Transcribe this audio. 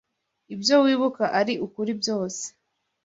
ibyo wibuka ari ukuri byose